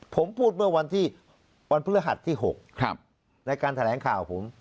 ผมพูดเมื่อวันที่วันพฤหัสที่๖ในการแถลงข่าวผม